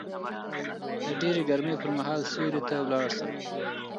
د ډېرې ګرمۍ پر مهال سيوري ته ولاړ شه